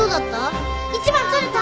１番取れた？